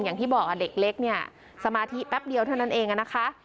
อย่างที่บอกเด็กเล็กเนี่ยสมาธิแป๊บเดียวเท่านั้นเองนะคะ